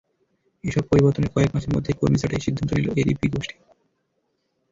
এসব পরিবর্তনের কয়েক মাসের মধ্যেই কর্মী ছাঁটাইয়ের সিদ্ধান্ত নিল এবিপি গোষ্ঠী।